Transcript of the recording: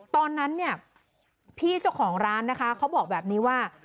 ตอนนั้นเนี่ยพี่เจ้าของร้านนะคะเขาบอกแบบนี้ว่า